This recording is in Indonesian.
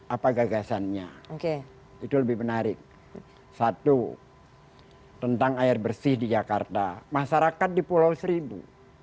apa gagasannya itu lebih menarik satu tentang air bersih di jakarta masyarakat di pulau seribu